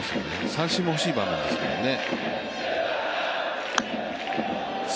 三振もほしい場面ですからね。